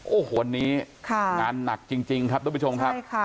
โอ้โหวันนี้ค่ะงานหนักจริงจริงครับทุกผู้ชมครับใช่ค่ะ